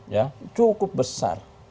ya cukup besar